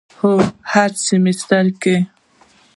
هو، هر سیمیستر کی